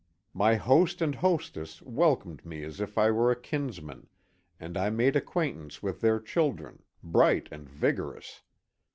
My host and hostess welcomed me as if I were a kinsman, and I made acquaintance with their children, — bright and vigorous.